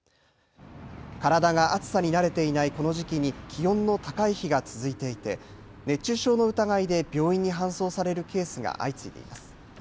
体が暑さに慣れていないこの時期に気温の高い日が続いていて熱中症の疑いで病院に搬送されるケースが相次いでいます。